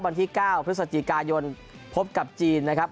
วันที่๙พฤศจิกายนพบกับจีนนะครับ